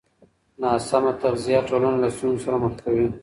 ناسمه تغذیه ټولنه له ستونزو سره مخ کوي.